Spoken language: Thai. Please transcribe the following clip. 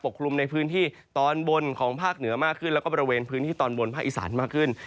กลุ่มในพื้นที่ตอนบนของภาคเหนือมากขึ้นแล้วก็บริเวณพื้นที่ตอนบนภาคอีสานมากขึ้น